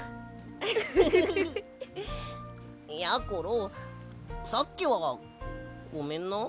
やころさっきはごめんな。